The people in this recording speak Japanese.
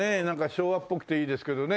昭和っぽくていいですけどね。